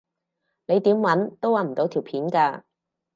你點搵都搵唔到條片㗎